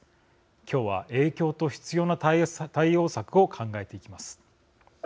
今日は影響と必要な対応策を考えていきます。